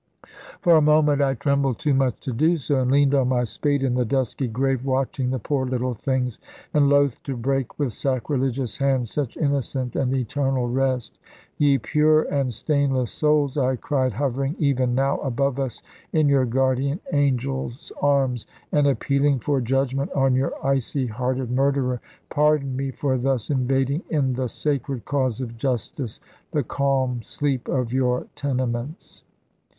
For a moment I trembled too much to do so, and leaned on my spade in the dusky grave, watching the poor little things, and loath to break with sacrilegious hands such innocent and eternal rest. "Ye pure and stainless souls," I cried, "hovering even now above us, in your guardian angel's arms, and appealing for judgment on your icy hearted murderer, pardon me for thus invading, in the sacred cause of justice, the calm sleep of your tenements."